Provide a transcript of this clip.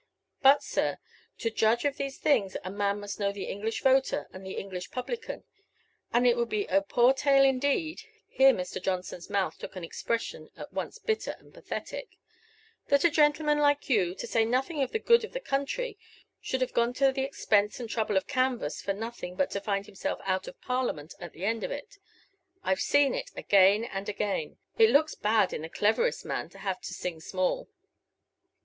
But, sir, to judge of these things a man must know the English voter and the English publican; and it would be a poor tale indeed" here Mr. Johnson's mouth took an expression at once bitter and pathetic "that a gentleman like you, to say nothing of the good of the country, should have gone to the expense and trouble of a canvass for nothing but to find himself out of Parliament at the end of it. I've seen it again and again; it looks bad in the cleverest man to have to sing small."